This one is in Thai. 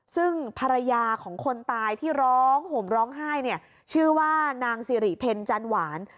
ซึ่งภรรยาของคนตายที่ร้องห่มร้องไห้เนี่ยชื่อว่านางสิริเพลจันหวาน